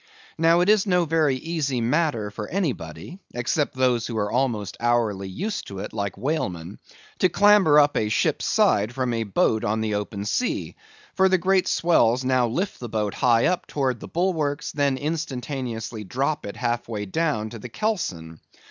Now, it is no very easy matter for anybody—except those who are almost hourly used to it, like whalemen—to clamber up a ship's side from a boat on the open sea; for the great swells now lift the boat high up towards the bulwarks, and then instantaneously drop it half way down to the kelson.